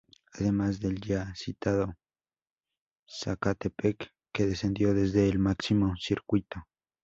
Además del ya citado Zacatepec que descendió desde el máximo circuito.